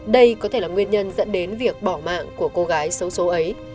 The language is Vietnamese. đây có thể là nguyên nhân dẫn đến việc bỏ mạng của cô gái xấu xố ấy